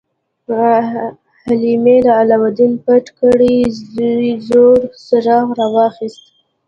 حلیمې د علاوالدین پټ کړی زوړ څراغ راواخیست.